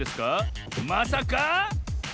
まさか？